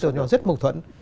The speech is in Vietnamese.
nó rất mục thuẫn